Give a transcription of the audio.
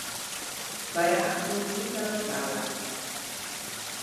Parar un llit a la sala.